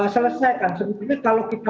selesaikan sebetulnya kalau kita